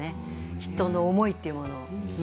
人の思いというもの。